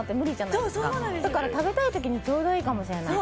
だから、食べたいときに、ちょうどいいかもしれない。